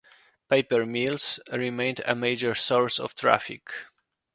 Paper mills remained a major source of traffic.